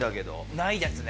ないですね。